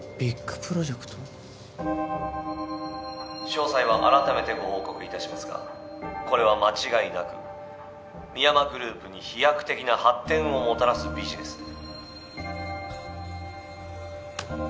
詳細はあらためてご報告いたしますがこれは間違いなく深山グループに飛躍的な発展をもたらすビジネスで。